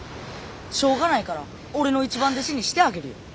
しょうがないから俺の一番弟子にしてあげるよ。